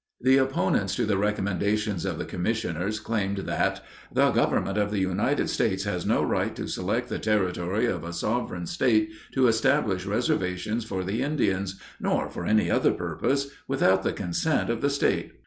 The opponents to the recommendations of the commissioners claimed that "The government of the United States has no right to select the territory of a sovereign State to establish reservations for the Indians, nor for any other purpose, without the consent of the State!"